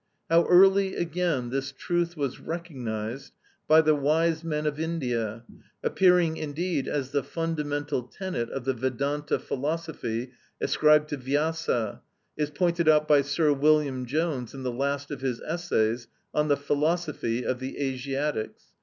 How early again this truth was recognised by the wise men of India, appearing indeed as the fundamental tenet of the Vedânta philosophy ascribed to Vyasa, is pointed out by Sir William Jones in the last of his essays: "On the philosophy of the Asiatics" (Asiatic Researches, vol.